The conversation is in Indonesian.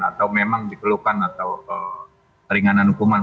atau memang diperlukan atau ringanan hukuman